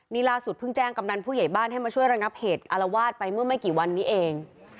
นี่ล่าสุดเพิ่งแจ้งกำนันผู้ใหญ่บ้านให้มาช่วยระงับเหตุอารวาสไปเมื่อไม่กี่วันนี้เอง